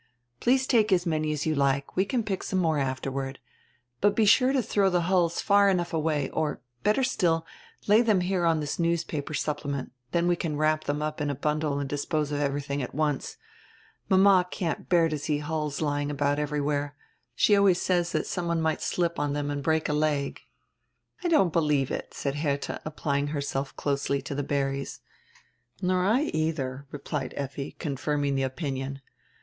Please take as many as you like, we can pick some more afterward. But be sure to dirow die hulls far enough away, or, better still, lay diem here on diis newspaper supplement, dien we can wrap diem up in a bundle and dispose of everything at once. Mama can't bear to see hulls lying about everywhere. She always says that some one might slip on diem and break a leg." "I don't believe it," said Herdia, applying herself closely to die berries. "Nor I eidier," replied Efti, confirming die opinion.